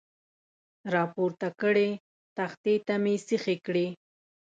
را پورته کړې، تختې ته مې سیخې کړې.